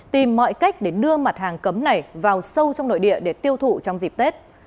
tìm mọi cách để đưa mặt hàng cấm này vào sâu trong nội địa để tiêu thụ trong dịp tết